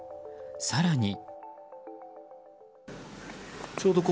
更に。